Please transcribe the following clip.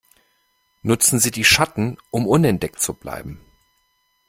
Nutzen Sie die Schatten, um unentdeckt zu bleiben!